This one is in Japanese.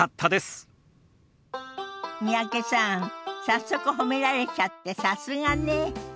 早速褒められちゃってさすがね。